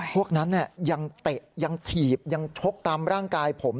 พวกนั้นยังเตะยังถีบยังชกตามร่างกายผม